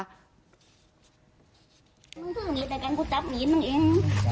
นี่ค่ะนายยุ่ง